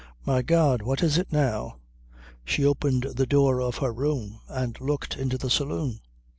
"My God! What is it now?" she opened the door of her room and looked into the saloon.